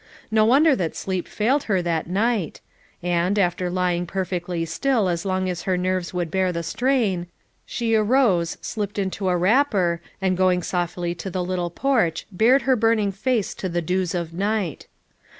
No wonder that sleep failed her that night; and, after lying perfectly still as long as her nerves would bear the strain, she arose, slipped into a wrapper and going softly to the little porch bared her burning face to the dews of night.